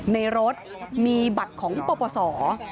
ในรถมีบัตรของประสอบ